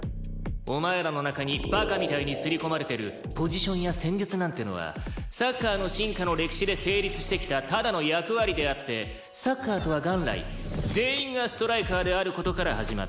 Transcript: お前らの中にバカみたいに刷り込まれてるポジションや戦術なんてのはサッカーの進化の歴史で成立してきたただの役割であってサッカーとは元来全員がストライカーである事から始まった。